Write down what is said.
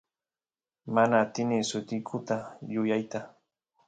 mana atini sutikuta yuyayta